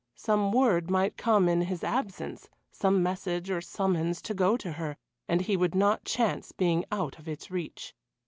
Some word might come in his absence, some message or summons to go to her, and he would not chance being out of its reach.